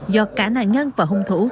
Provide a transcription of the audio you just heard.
do cả nạn nhân và hung thủ